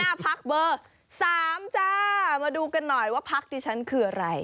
ไหมดูกันหน่อยว่าพักดิฉันคืออะไร